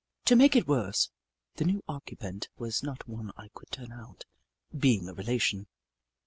To make it worse, the new occupant was not one I could turn out, being a relation.